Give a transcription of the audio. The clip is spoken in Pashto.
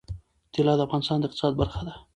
طلا د افغانستان د اقتصاد برخه ده.